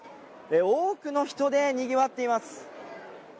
多くの人でにぎわっています。